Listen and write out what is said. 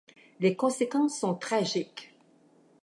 Les conséquences sont tragiques.